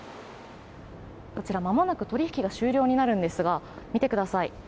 こちら、まもなく取引が終了になるんですが見てください。